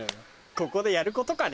ここでやることかね